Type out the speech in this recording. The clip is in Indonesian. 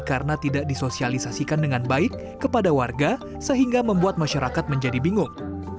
karena tidak disosialisasikan dengan baik kepada warga sehingga membuat masyarakat menjadi bingung